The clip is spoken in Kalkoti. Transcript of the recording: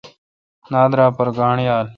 نادرا پر گانٹھ یال۔